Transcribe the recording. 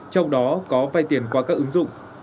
trong đó có vay tiền qua các ứng dụng